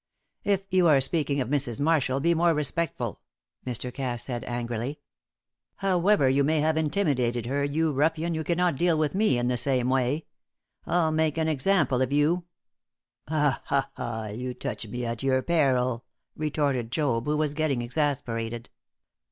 "If you are speaking of Mrs. Marshall, be more respectful," Mr. Cass said, angrily. "However you may have intimidated her, you ruffian, you cannot deal with me in the same way. I'll make an example of you!" "Ha! ha! You touch me at your peril!" retorted Job, who was getting exasperated.